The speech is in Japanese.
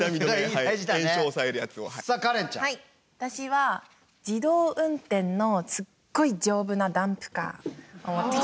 私は自動運転のすっごい丈夫なダンプカー。